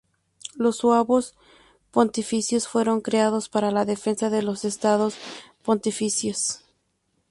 Los zuavos pontificios fueron creados para la defensa de los Estados Pontificios.